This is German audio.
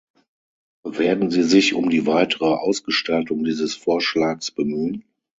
Werden Sie sich um die weitere Ausgestaltung dieses Vorschlags bemühen?